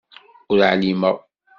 Ur εlimeɣ.